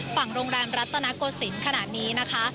ฝั่งโรงแรมรัตนโกศิลป์ขนาดนี้นะคะ